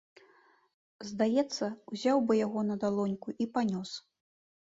Здаецца, узяў бы яго на далоньку і панёс.